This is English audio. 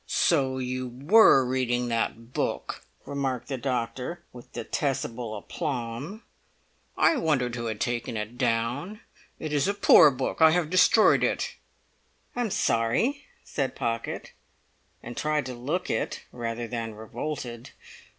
"So you were reading that book!" remarked the doctor, with detestable aplomb. "I wondered who had taken it down. It is a poor book. I have destroyed it." "I'm sorry," said Pocket, and tried to look it rather than revolted.